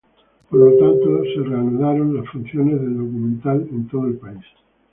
Por lo tanto, se reanudaron las funciones del documental en todo el país.